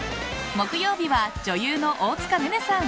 木曜日は、女優の大塚寧々さん。